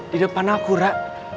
di depan aku ra